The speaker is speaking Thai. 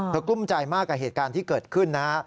กลุ้มใจมากกับเหตุการณ์ที่เกิดขึ้นนะฮะ